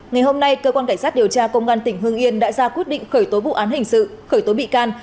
ngày hôm nay cơ quan cảnh sát điều tra công an tỉnh hương yên đã ra quyết định khởi tố vụ án hình sự khởi tố bị can